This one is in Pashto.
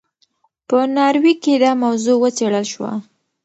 په ناروې کې دا موضوع وڅېړل شوه.